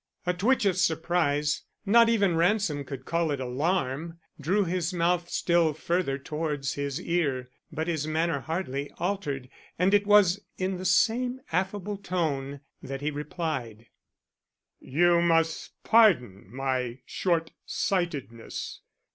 A twitch of surprise, not even Ransom could call it alarm, drew his mouth still further towards his ear; but his manner hardly altered and it was in the same affable tone that he replied: "You must pardon my short sightedness.